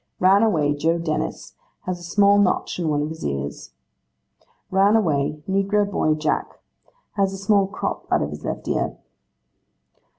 'Ran away, Joe Dennis. Has a small notch in one of his ears.' 'Ran away, negro boy, Jack. Has a small crop out of his left ear.